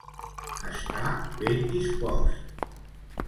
Estar ben dispost.